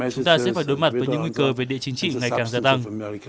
chúng ta sẽ phải đối mặt với những nguy cơ về địa chính trị ngày càng gia tăng